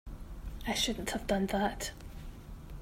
I shouldn't have done that.